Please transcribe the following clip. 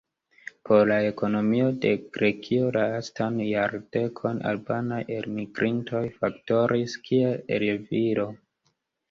Por la ekonomio de Grekio, lastan jardekon, albanaj elmigrintoj faktoris kiel levilo.